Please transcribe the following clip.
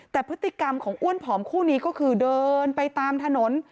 แต่พฤติกรรมของอ้วนผอมคู่นี้ก็คือเดินไปตามถนน